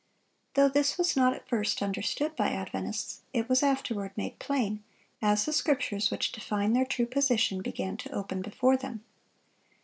Though this was not at first understood by Adventists, it was afterward made plain, as the scriptures which define their true position began to open before them.